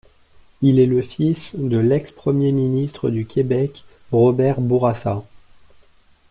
Il est le fils de l'ex-premier ministre du Québec Robert Bourassa.